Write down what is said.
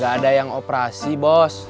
gak ada yang operasi bos